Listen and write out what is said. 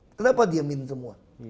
kenapa diemin semua